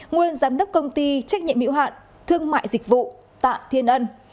nguyên giám đốc công ty trách nhiệm miễu hạn thương mại dịch vụ tạ thiên ân